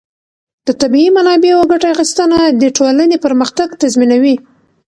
د طبیعي منابعو ګټه اخیستنه د ټولنې پرمختګ تضمینوي.